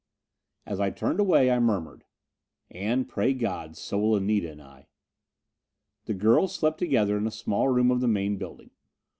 As I turned away, I murmured: "And, pray God, so will Anita and I." The girls slept together in a small room of the main building.